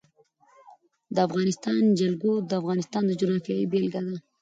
د افغانستان جلکو د افغانستان د جغرافیې بېلګه ده.